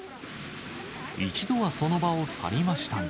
一度はその場を去りましたが。